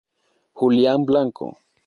Julián Blanco.